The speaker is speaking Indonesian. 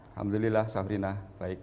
alhamdulillah sabrina baik